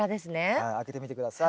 はい開けてみて下さい。